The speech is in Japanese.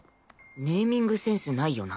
ネーミングセンスないよな。